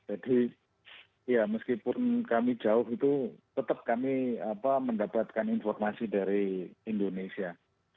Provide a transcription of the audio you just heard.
jadi ya meskipun kami jauh itu tetap kami mendapatkan informasi dari indonesia